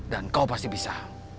dan kau pasti bisa